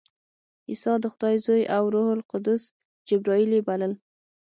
عیسی د خدای زوی او روح القدس جبراییل یې بلل.